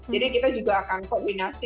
jadi kita juga akan koordinasi